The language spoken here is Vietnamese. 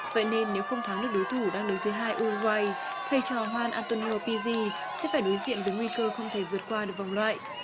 vậy nên nếu không thắng được đối thủ đang đứng thứ hai uruguay thay cho juan antonio pizzi sẽ phải đối diện với nguy cơ không thể vượt qua được vòng loại